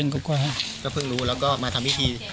ก็เพิ่งรู้แล้วก็มาทำพิธี